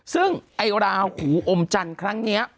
ซึ่งไอ้ราหูอมจันทร์ครั้งนี้